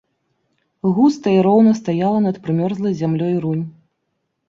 Густа і роўна стаяла над прымерзлай зямлёй рунь.